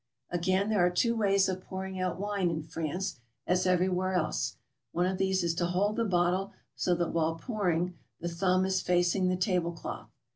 Again, there are two ways of pouring out wine in France, as everywhere else. One of these is to hold the bottle so that while pouring the thumb is facing the table cloth.